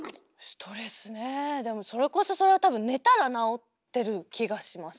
ストレスねえでもそれこそそれは多分寝たらなおってる気がします